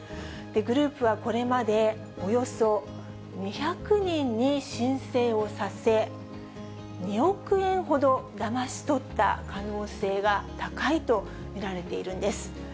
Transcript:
グループはこれまで、およそ２００人に申請をさせ、２億円ほどだまし取った可能性が高いと見られているんです。